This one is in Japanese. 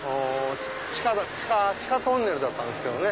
地下トンネルだったんですけどね。